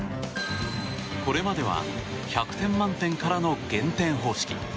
これまでは１００点満点からの減点方式。